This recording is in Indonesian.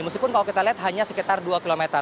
meskipun kalau kita lihat hanya sekitar dua km